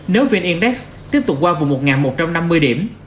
nếu vn index tiếp tục qua vùng một một trăm năm mươi điểm